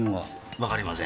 わかりません。